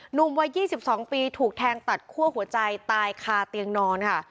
หนุ่มวัย๒๒ปีถูกแทงตัดคั่วหัวใจตายคาเตียงนอนค่ะ